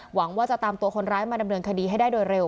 หวังว่าจะตามตัวคนร้ายมาดำเนินคดีให้ได้โดยเร็ว